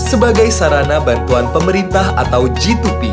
sebagai sarana bantuan pemerintah atau g dua p